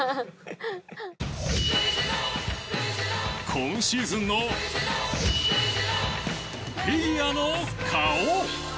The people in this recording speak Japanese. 今シーズンのフィギュアの顔。